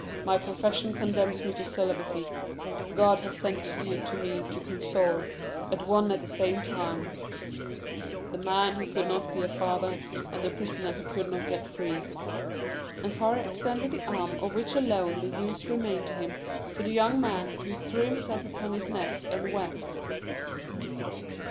My profession condemns me to celibacy. God has sent you to me to console, at one and the same time, the man who could not be a father, and the prisoner who could not get free." And Faria extended the arm of which alone the use remained to him to the young man, who threw himself upon his neck and wept.